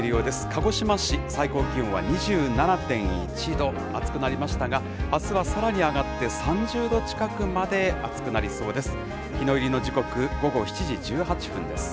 鹿児島市、最高気温は２７．１度、暑くなりましたが、あすはさらに上がって、３０度近くまで暑くなりそうです。